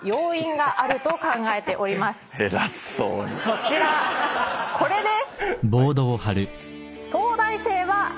そちらこれです！